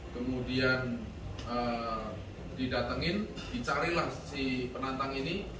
kemudian didatengin dicarilah si penantang ini